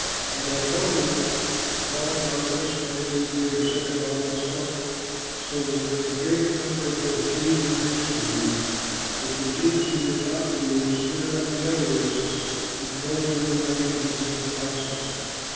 At Iconium, Paul and Barnabas went into the Jewish synagogue and spoke, so that a great number of both Jews and Greeks believed. But the Jews who did not believe stirred up the other races and poisoned their minds against the apostles.